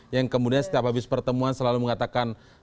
yang kemudian setiap habis pertemuan selalu mengatakan